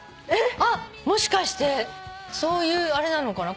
あっもしかしてそういうあれなのかな？